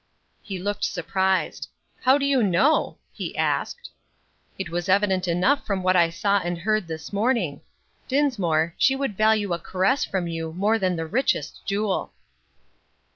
He looked surprised. "How do you know?" he asked. "It was evident enough from what I saw and heard this morning. Dinsmore, she would value a caress from you more than the richest jewel."